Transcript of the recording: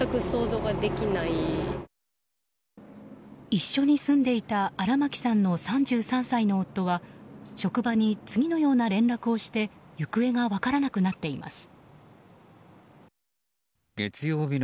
一緒に住んでいた荒牧さんの３３歳の夫は職場に次のような連絡をして行方が分からなくなっています。